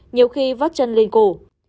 nhiều khi vắt chân lên cổ